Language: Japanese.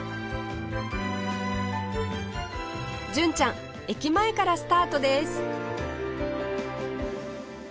純ちゃん駅前からスタートです